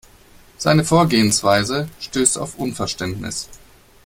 Seine Vorgehensweise stößt auf Unverständnis.